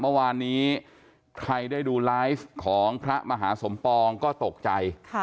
เมื่อวานนี้ใครได้ดูไลฟ์ของพระมหาสมปองก็ตกใจ